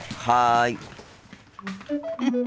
はい。